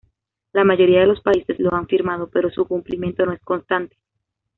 La mayoría de los países los han firmado, pero su cumplimiento no es constante.